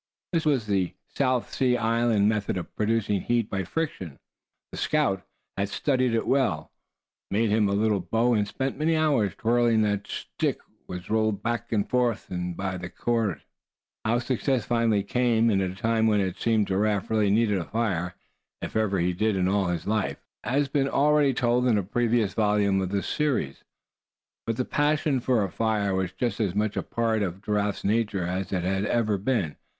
This was the South Sea Island method of producing heat by friction. The scout had studied it well, made him a little bow, and spent many hours twirling the stick that was rolled back and forward by the cord. How success finally came, and at a time when it seemed Giraffe really needed a fire, if ever he did in all his life, has been already told in a previous volume of this series. But the passion for a fire was just as much a part of Giraffe's nature as it had ever been.